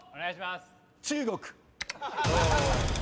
中国。